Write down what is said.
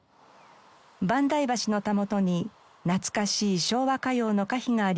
萬代橋のたもとに懐かしい昭和歌謡の歌碑がありました。